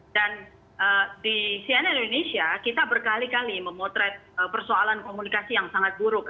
dan di cnn indonesia kita berkali kali memotret persoalan komunikasi yang sangat buruk